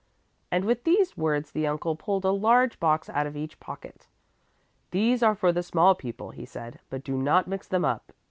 and with these words the uncle pulled a large box out of each pocket. "These are for the small people," he said, "but do not mix them up.